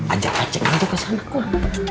ajak ajaknya ke sana kok